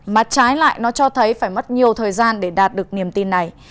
mà trái lại nó cho thấy phải mất nhiều thời gian để đạt được niềm tin này